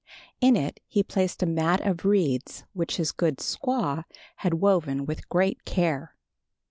In it he placed a mat of reeds which his good squaw had woven with great care.